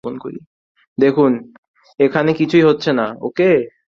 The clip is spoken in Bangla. দেখুন, এখানে কিছুই হচ্ছে না, ওকে?